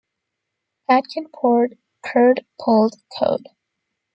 Pad kid poured curd pulled cold.